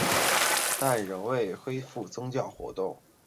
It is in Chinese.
但仍未恢复宗教活动。